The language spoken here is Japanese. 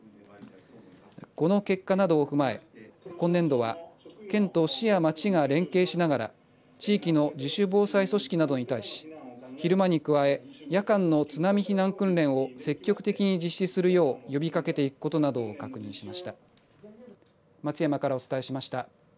この結果などを踏まえ今年度は県と市や町が連携しながら地域の自主防災組織などに対し昼間に加え夜間の津波避難訓練を積極的に実施するよう呼びかけていくことなどを確認しました。